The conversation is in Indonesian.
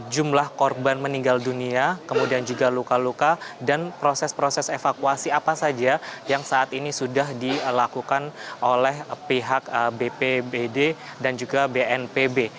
jumlah korban meninggal dunia kemudian juga luka luka dan proses proses evakuasi apa saja yang saat ini sudah dilakukan oleh pihak bpbd dan juga bnpb